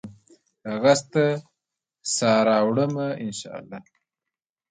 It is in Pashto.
کاغذ ته سا راوړمه ، ان شا الله